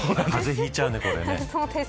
ひいちゃうね、これね。